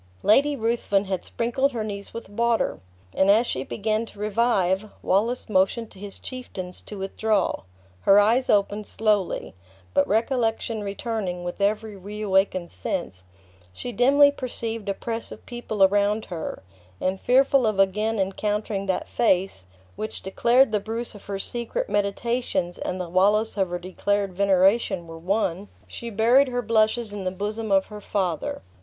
Lady Ruthven had sprinkled her niece with water; and as she began to revive, Wallace motioned to his chieftains to withdraw; her eyes opened slowly; but recollection returning with every reawakened sense, she dimly perceived a press of people around her, and fearful of again encountering that face, which declared the Bruce of her secret meditations and the Wallace of her declared veneration were one, she buried her blushes in the bosom of her father.